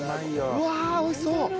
うわあおいしそう！